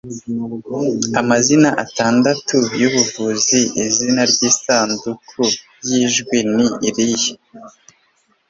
Amazina atandatu yubuvuzi Izina ryisanduku yijwi ni irihe?